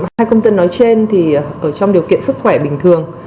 hai công dân nói trên thì ở trong điều kiện sức khỏe bình thường